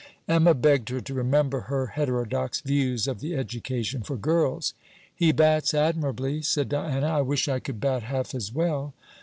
Emma begged her to remember her heterodox views of the education for girls. 'He bats admirably,' said Diana. 'I wish I could bat half as well.'